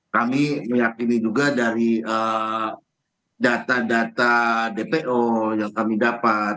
kami meyakini juga dari data data dpo yang kami dapat